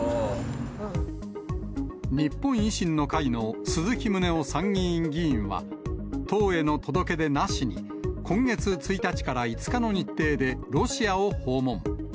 日本維新の会の鈴木宗男参議院議員は、党への届け出なしに、今月１日から５日の日程でロシアを訪問。